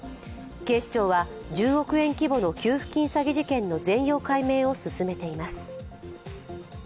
警視庁は、１０億円規模の給付金詐欺事件の全容解明を進めています。